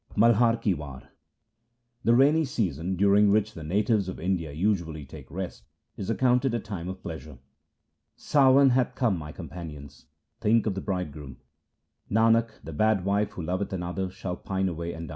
2 Malar ki War The rainy season, during which the natives of India usually take rest, is accounted a time of pleasure :— Sawan 3 hath come, my companions, think of the Bride groom ; Nanak, the bad wife who loveth another shall pine away and die.